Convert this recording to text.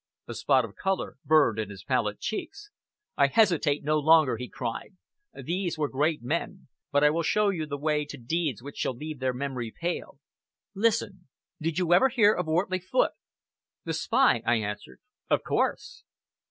A spot of color burned in his pallid cheeks. "I hesitate no longer," he cried. "These were great men; but I will show you the way to deeds which shall leave their memory pale. Listen! Did you ever hear of Wortley Foote?" "The spy," I answered, "of course!"